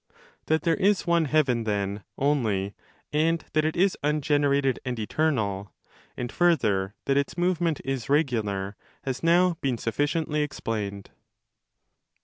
That there is one heaven, then, only, and that it is un generated and eternal, and further that its movement is regular, has now been sufficiently explained.